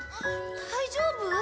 大丈夫？